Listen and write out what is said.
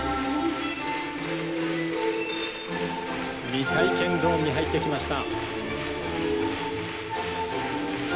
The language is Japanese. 未体験ゾーンに入ってきました。